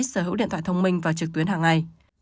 sở hữu điện thoại thông minh và trực tuyến hàng ngày